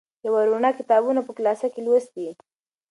یوه روڼه کتابونه په کلاسه کې لوستي.